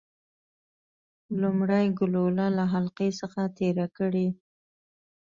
لومړی ګلوله له حلقې څخه تیره کړئ.